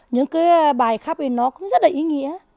những cái bài khắp ấy nó cũng rất là ý nghĩa